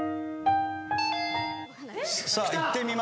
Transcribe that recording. さあいってみましょう。